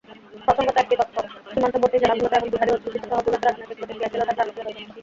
প্রসঙ্গত, একটি তথ্য—সীমান্তবর্তী জেলাগুলোতে এবং বিহারি-অধ্যুষিত শহরগুলোতে রাজনৈতিক প্রতিক্রিয়াশীলতার টান ছিল যথেষ্ট।